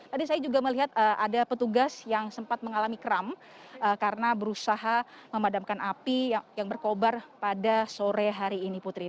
tadi saya juga melihat ada petugas yang sempat mengalami kram karena berusaha memadamkan api yang berkobar pada sore hari ini putri